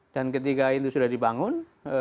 dan ketika itu sudah dibangun